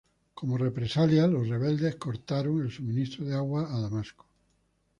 Como represalia, los rebeldes cortaron el suministro de agua a Damasco.